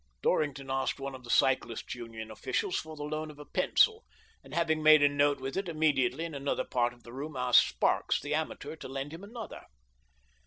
Dorrington asked one of the Cyclists' Union officials for the loan of a pencil, and, having made a note with it, immediately, in another part of the room, asked Sparks, the amateur, to lend him another.